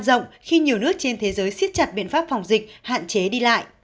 rộng khi nhiều nước trên thế giới xiết chặt biện pháp phòng dịch hạn chế đi lại